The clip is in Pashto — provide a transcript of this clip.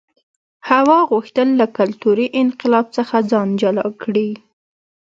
هوا غوښتل له کلتوري انقلاب څخه ځان جلا کړي.